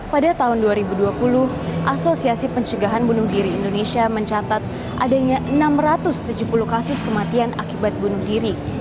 pada tahun dua ribu dua puluh asosiasi pencegahan bunuh diri indonesia mencatat adanya enam ratus tujuh puluh kasus kematian akibat bunuh diri